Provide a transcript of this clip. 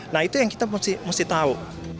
nah itu yang kita mesti tahu